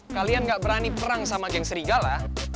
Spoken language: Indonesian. kalian gak berani perang sama geng serigala